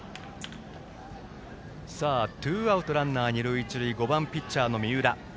ツーアウトランナー、一塁二塁で５番ピッチャーの三浦。